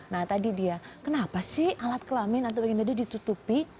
nah tadi dia kenapa sih alat kelamin atau bagian dari itu ditutupi